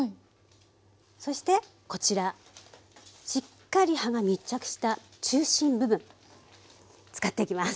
そしてこちらしっかり葉が密着した中心部分使っていきます。